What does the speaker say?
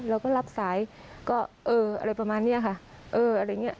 เราก็รับสายก็เอออะไรประมาณนี้ค่ะ